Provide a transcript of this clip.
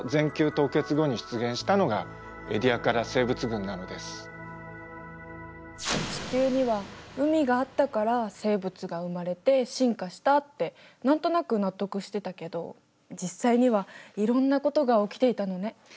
例えば地球には海があったから生物が生まれて進化したって何となく納得してたけど実際にはいろんなことが起きていたのね。